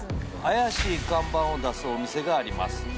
「怪しい看板を出すお店があります」